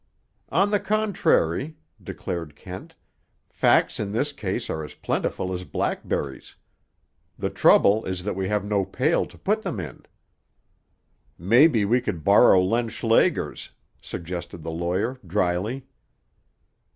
"On the contrary," declared Kent, "facts in this case are as plentiful as blackberries. The trouble is that we have no pail to put them in." "Maybe we could borrow Len Schlager's," suggested the lawyer dryly.